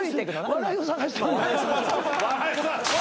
笑いを捜してる。